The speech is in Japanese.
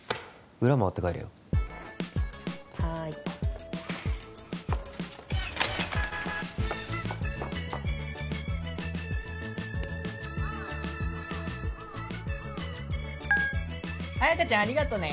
裏回って帰れよはい綾華ちゃんありがとね